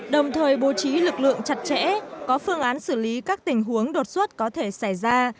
đồng thời bố trí lực lượng chặt chẽ có phương án xử lý các tình huống đột xuất có thể xảy ra